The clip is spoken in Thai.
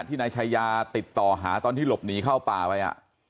นายชายาติดต่อหาตอนที่หลบหนีเข้าป่าไป